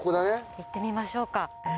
行ってみましょうか。